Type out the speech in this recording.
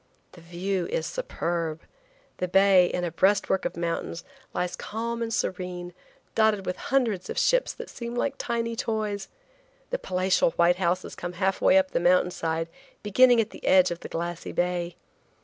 The view is superb. The bay, in a breastwork of mountains, lies calm and serene, dotted with hundreds of ships that seem like tiny toys. The palatial white houses come half way up the mountain side, beginning at the edge of the glassy bay.